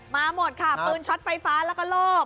มาหมดค่ะปืนช็อตไฟฟ้าแล้วก็โลภ